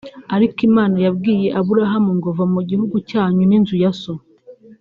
Ariko Imana yabwiye Aburahamu ngo va mu gihugu cyanyu n’inzu ya so